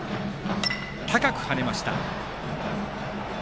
高く跳ねました。